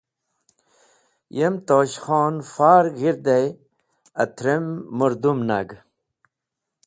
Yem Tosh Khon far g̃hirde atrem mũrdũm nag.